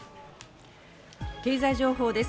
経済情報です。